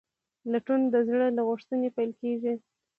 لټون د زړه له غوښتنې پیل کېږي.